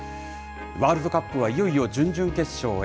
ワールドカップはいよいよ準々決勝へ。